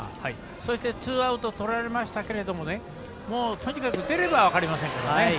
そしてツーアウトとられましたけどもとにかく出れば分かりませんから。